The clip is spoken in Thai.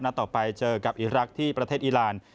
ต่อไปเจอกับอีรักษ์ที่ประเทศอีราน